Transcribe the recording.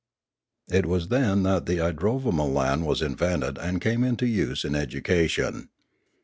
It was then that the idrovamolan was invented and came into use in education.